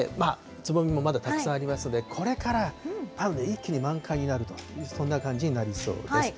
つぼみもまだたくさんありますので、これからたぶん一気に満開になる、そんな感じになりそうです。